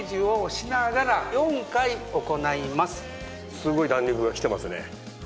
すごい弾力がきてますね。